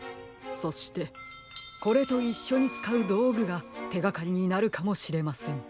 そしてこれといっしょにつかうどうぐがてがかりになるかもしれません。